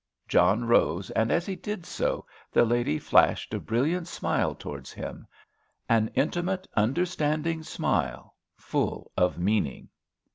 John rose, and as he did so the lady flashed a brilliant smile towards him—an intimate, understanding smile, full of meaning.